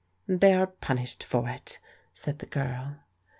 "They are punished for it," said the girl.